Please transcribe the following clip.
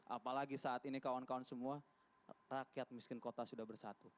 apalagi saat ini kawan kawan semua rakyat miskin kota sudah bersatu